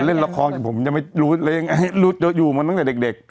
เล่นละครแต่ผมยังไม่รู้อยู่มาตั้งแต่เด็ก